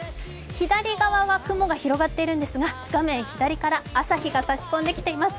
左側は雲が広がっているんですが、画面左から朝日が差し込んできています。